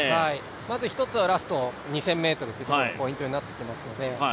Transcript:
まず１つはラスト２０００ｍがポイントになってきますので。